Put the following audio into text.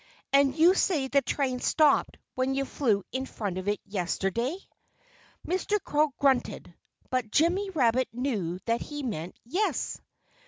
"And you say the train stopped when you flew in front of it yesterday?" Mr. Crow grunted. But Jimmy Rabbit knew that he meant "Yes!"